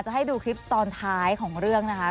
ให้ดูคลิปตอนท้ายของเรื่องนะคะ